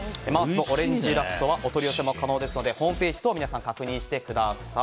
ＭＡＲＳのオレンジラクトはお取り寄せも可能ですのでホームページ等皆さん、確認してください。